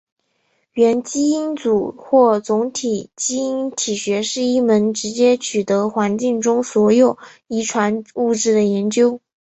元基因组或总体基因体学是一门直接取得环境中所有遗传物质的研究。